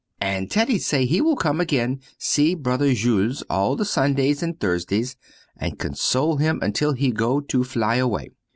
And Teddy say he will come again see brother Jules all the Sundays and Thursdays and console him until he go to fly away.